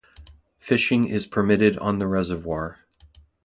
Fishing is permitted on the reservoir.